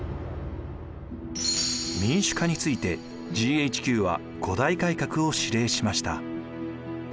民主化についてＧＨＱは五大改革を指令しました。